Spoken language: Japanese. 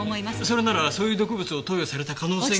それならそういう毒物を投与された可能性が。